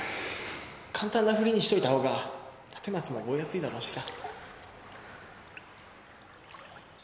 簡単な振りにしといたほうが立松も覚えやすいだろうしさ。